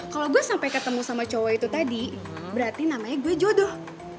kalau gue sampai ketemu sama cowok itu tadi berarti namanya gue jodoh